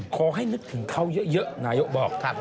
ขอให้นึกถึงเขาเยอะนายกบอก